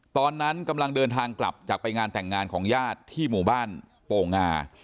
ตอนนั้นกำลังเดินทางกลับจากไปงานแต่งงานของญาติที่หมู่บ้านโป่งา